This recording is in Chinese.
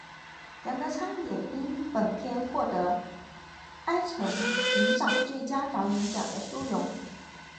杨德昌也因本片获得坎城影展最佳导演奖的殊荣。